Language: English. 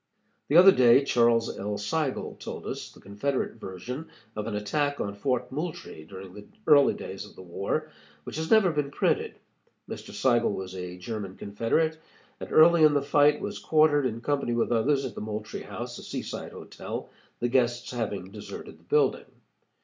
The other day Charles L. Seigel told us the Confederate version of an attack on Fort Moultrie during the early days of the war, which has never been printed. Mr. Seigel was a German Confederate, and early in the fight was quartered, in company with others, at the Moultrie House, a seaside hotel, the guests having deserted the building.